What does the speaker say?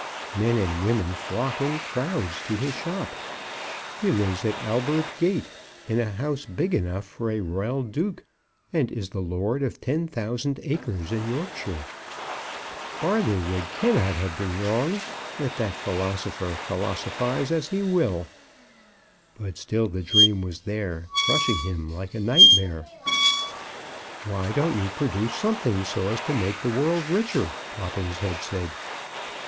Men and women flock in crowds to his shop. He lives at Albert Gate in a house big enough for a royal duke, and is the lord of ten thousand acres in Yorkshire. Barlywig cannot have been wrong, let that philosopher philosophize as he will!" But still the dream was there, crushing him like a nightmare. "Why don't you produce something, so as to make the world richer?" Poppins had said.